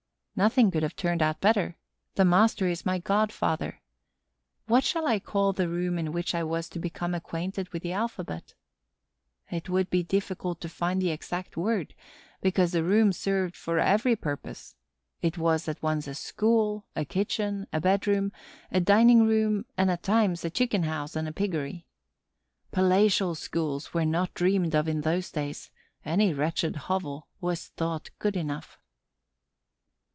Nothing could have turned out better; the master is my godfather. What shall I call the room in which I was to become acquainted with the alphabet? It would be difficult to find the exact word, because the room served for every purpose. It was at once a school, a kitchen, a bedroom, a dining room and, at times, a chicken house and a piggery. Palatial schools were not dreamed of in those days; any wretched hovel was thought good enough.